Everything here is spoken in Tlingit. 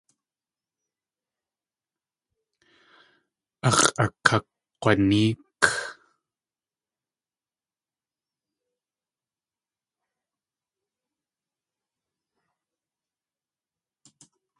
Ax̲ʼakakg̲wanéek.